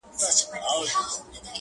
• یا به ګوربت غوندي اسمان ته ختی ,